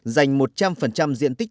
dành một trăm linh diện tích tầng hầm